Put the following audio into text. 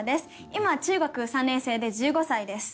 今は中学３年生で１５歳です。